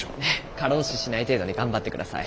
過労死しない程度に頑張って下さい。